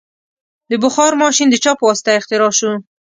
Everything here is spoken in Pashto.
د بخار ماشین د چا په واسطه اختراع شو؟